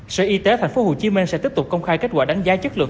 sở y tế tp hcm sẽ tiếp tục công khai kết quả đánh giá chất lượng